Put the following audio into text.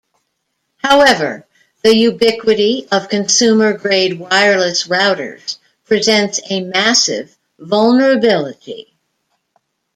However, the ubiquity of consumer grade wireless routers presents a massive vulnerability.